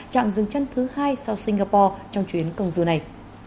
trạng dừng chân thứ hai sau singapore trong chuyến công du này